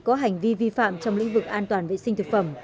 có hành vi vi phạm trong lĩnh vực an toàn vệ sinh thực phẩm